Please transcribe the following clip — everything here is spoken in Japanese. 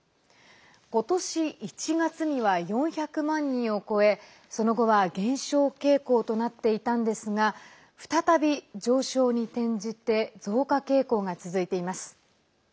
ことし１月には４００万人を超えその後は減少傾向となっていたんですが再び上昇に転じて増加傾向が続いています。